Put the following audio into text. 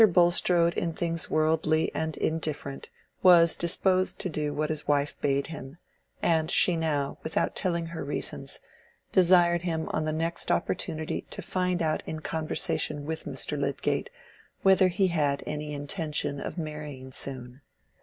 Bulstrode in things worldly and indifferent was disposed to do what his wife bade him, and she now, without telling her reasons, desired him on the next opportunity to find out in conversation with Mr. Lydgate whether he had any intention of marrying soon.